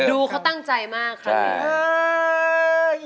ดูเขาตั้งใจมากครับ